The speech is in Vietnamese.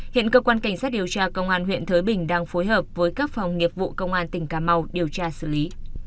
hiện cơ quan cảnh sát điều tra công an huyện thới bình đang phối hợp với các phòng nghiệp vụ công an tỉnh cà mau điều tra xử lý